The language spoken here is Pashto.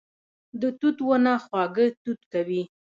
د توت ونه خواږه توت کوي